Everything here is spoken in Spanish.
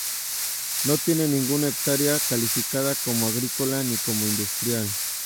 No tiene ninguna hectárea calificada como agrícola ni como industrial.